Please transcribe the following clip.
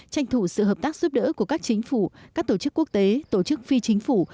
tranh thủ sự hợp tác giúp đỡ của các chính phủ các tổ chức quốc tế tổ chức phi chính phủ